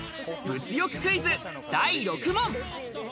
物欲クイズ第６問。